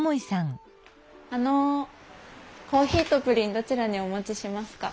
あのコーヒーとプリンどちらにお持ちしますか？